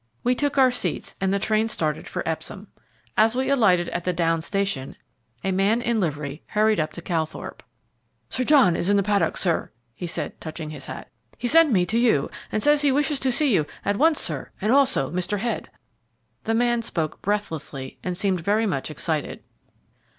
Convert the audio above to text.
We took our seats, and the train started for Epsom. As we alighted at the Downs station, a man in livery hurried up to Calthorpe. "Sir John Winton is in the paddock, sir," he said, touching his hat. "He sent me to you, and says he wishes to see you at once, sir, and also Mr. Head." The man spoke breathlessly, and seemed very much excited.